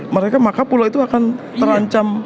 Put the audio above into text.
mereka maka pulau itu akan terancam